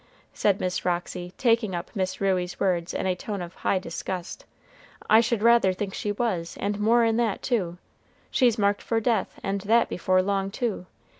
said Miss Roxy, taking up Miss Ruey's words in a tone of high disgust, "I should rather think she was; and more'n that, too: she's marked for death, and that before long, too.